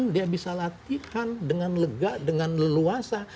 dia bisa latihkan dengan lega dengan leluasa